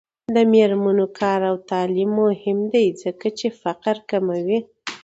د میرمنو کار او تعلیم مهم دی ځکه چې فقر کموي.